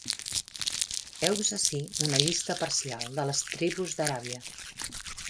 Heus ací una llista parcial de les tribus d'Aràbia.